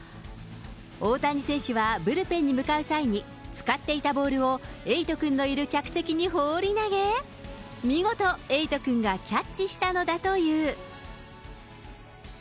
大谷選手はブルペンに向かう際に、使っていたボールをえいと君のいる客席に放り投げ、見事、えいとくんがキャッチしたのだという。